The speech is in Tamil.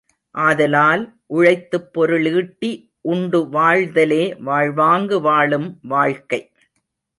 ஆதலால், உழைத்துப் பொருளீட்டி உண்டு வாழ்தலே வாழ்வாங்கு வாழும் வாழ்க்கை.